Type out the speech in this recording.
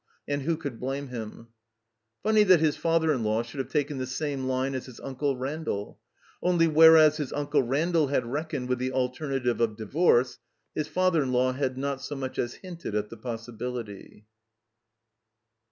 And who could blame him?" Fumiy that his father in law shotild have taken the same line as his Uncle Randall. Only, whereas his Uncle Randall had reckoned with the alternative of divorce, his father in law had not so much as hinted at the possibility.